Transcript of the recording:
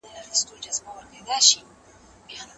زکات د غریبانو لپاره د هوسا ژوند د پيل ټکی دی.